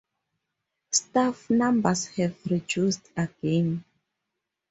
Staff numbers have reduced again.